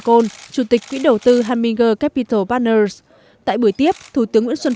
cohn chủ tịch quỹ đầu tư hamminger capital partners tại buổi tiếp thủ tướng nguyễn xuân